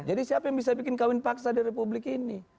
jadi siapa yang bisa bikin kawin paksa di republik ini